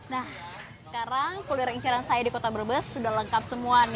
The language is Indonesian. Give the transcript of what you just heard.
nah sekarang kuliner incaran saya di kota brebes sudah lengkap semua nih